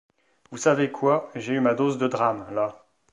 Vous savez quoi ? j’ai eu ma dose de drames, là.